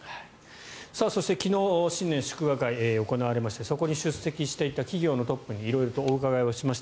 そして、昨日新年祝賀会が行われましてそこに出席していた企業のトップに色々とお伺いをしました。